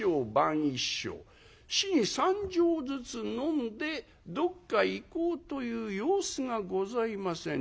日に３升ずつ飲んでどっか行こうという様子がございません。